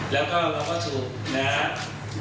แล้วก็เราก็สรุปนะครับ